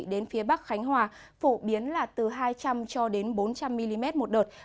đến phía bắc khánh hòa phổ biến là từ hai trăm linh cho đến bốn trăm linh mm một đợt